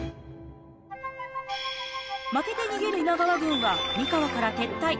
負けて逃げる今川軍は三河から撤退。